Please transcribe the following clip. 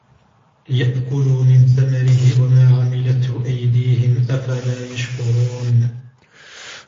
ليأكلوا من ثمره وما عملته أيديهم أفلا يشكرون